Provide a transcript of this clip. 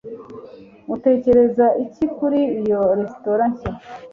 Utekereza iki kuri iyo resitora nshya?